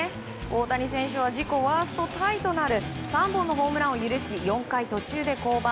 大谷選手は自己ワーストタイとなる３本のホームランを許し４回途中で降板。